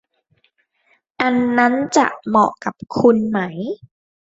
อันนั้นจะเหมาะกับคุณไหม